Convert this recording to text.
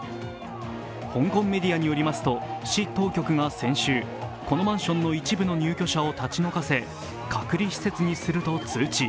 香港メディアによりますと、市当局が先週、このマンションの一部の入居者を立ち退かせ隔離施設にすると通知。